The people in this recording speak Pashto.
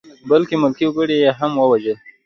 بلکې ملکي وګړي یې هم ووژل.